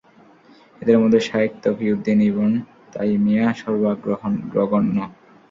এদের মধ্যে শায়খ তকী উদ্দীন ইবন তাইমিয়া সর্বাগ্রগণ্য।